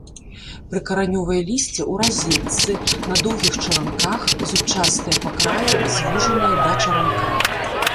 Прыкаранёвае лісце ў разетцы, на доўгіх чаранках, зубчастае па краі, звужанае да чаранка.